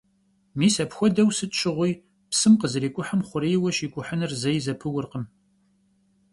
Mis apxuedeu sıt şığui psım khızerik'uhım xhurêyue şik'uhınır zei zepıurkhım.